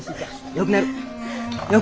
よくなる。